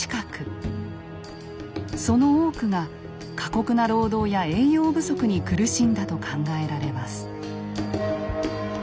その多くが過酷な労働や栄養不足に苦しんだと考えられます。